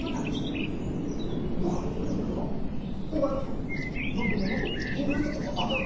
お前こそ暢子にはもっと褒めるとこがあるだろ！